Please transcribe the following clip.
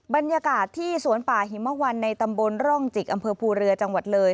บรรยากาศที่สวนป่าหิมวันในตำบลร่องจิกอำเภอภูเรือจังหวัดเลย